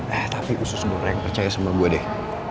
eh tapi usus goreng percaya sama gue deh